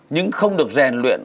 nhưng không được rèn luyện